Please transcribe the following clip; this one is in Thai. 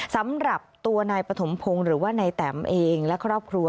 สำหรับตัวนายปฐมพงศ์หรือว่านายแตมเองและครอบครัว